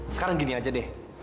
sekarang gini aja deh